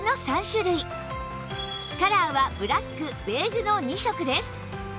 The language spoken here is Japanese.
カラーはブラックベージュの２色です